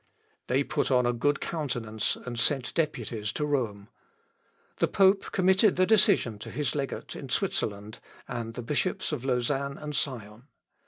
They put on a good countenance, and sent deputies to Rome. The pope committed the decision to his legate in Switzerland, and the bishops of Lausanne and Sion.